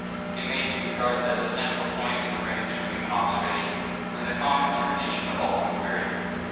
It may be regarded as a central point in the range of human observation, and the common termination of all inquiry.